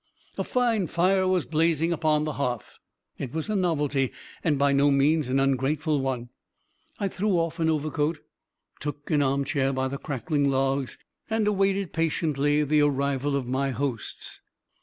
A fine fire was blazing upon the hearth. It was a novelty, and by no means an ungrateful one. I threw off an overcoat, took an armchair by the crackling logs, and awaited patiently the arrival of my hosts.